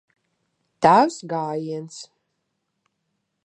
Tavs gājiens.